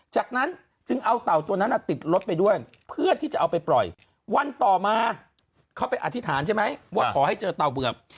จากนั้นจึงเอาเต่าตัวนั้นติดรถไปด้วยเพื่อที่จะเอาไปปล่อยวันต่อมาเขาไปอธิษฐานใช่ไหมว่าขอให้เจอเต่าเบื่อ